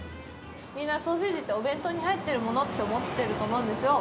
みんなソーセージってお弁当に入ってるものって思ってると思うんですよ。